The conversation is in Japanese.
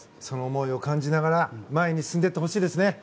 その思いを感じながら前に進んでいってほしいですね。